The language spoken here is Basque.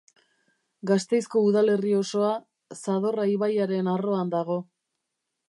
Gasteizko udalerri osoa Zadorra ibaiaren arroan dago.